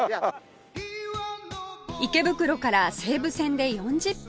池袋から西武線で４０分